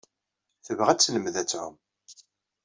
Tebɣa ad telmed ad tɛum.